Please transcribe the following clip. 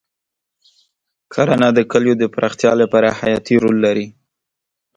کرنه د کلیو د پراختیا لپاره حیاتي رول لري.